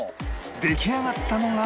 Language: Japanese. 出来上がったのが